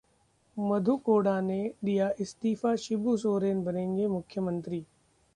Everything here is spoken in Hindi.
मधु कोड़ा ने दिया इस्तीफा, शिबू सोरेन बनेंगे मुख्यमंत्री